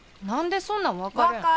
何でそんなん分かるん。